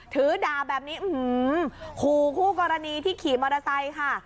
ถือด่าแบบนี้ขู่คู่กรณีที่ขี่มอเตอร์ไซค์ค่ะ